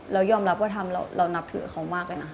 แล้วยอมรับว่าทำเรานับถือเขามากเลยนะ